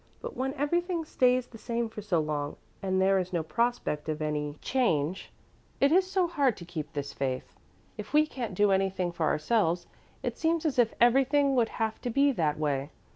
But when everything stays the same for so long and there is no prospect of any change, it is so hard to keep this faith. If we can't do anything for ourselves, it seems as if everything would have to be that way.